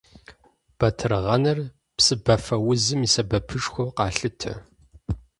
Батыргъэныр псыбафэузым и сэбэпышхуэу къалъытэ.